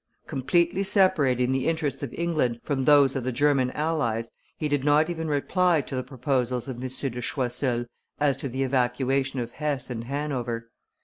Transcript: Completely separating the interests of England from those of the German allies, he did not even reply to the proposals of M. de Choiseul as to the evacuation of Hesse and Hanover.